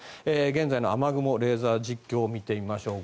現在の雨雲レーザー実況を見ていきましょう。